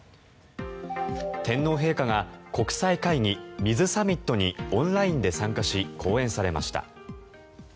天皇陛下が国際会議、水サミットにオンラインで参加し講演されました。